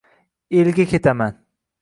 elga ketaman!